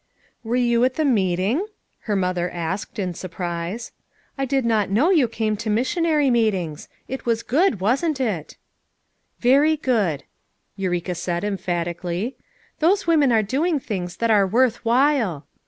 "Were you at the meeting?" her mother asked, in surprise. "I did not know you came to missionary meetings. It was good, wasn't it" "Very good," Eureka said emphatically. "Those women are doing things that are worth while."